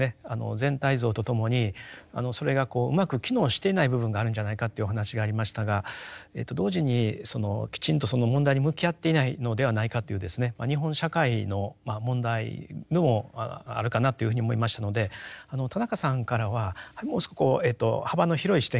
全体像とともにそれがうまく機能していない部分があるんじゃないかというお話がありましたが同時にきちんとその問題に向き合っていないのではないかというですね日本社会のまあ問題でもあるかなというふうに思いましたので田中さんからはもう少し幅の広い視点からですね